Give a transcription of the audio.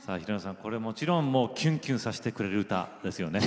もちろんきゅんきゅんさせてくれる歌ですよね。